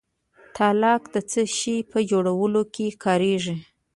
تالک د څه شي په جوړولو کې کاریږي؟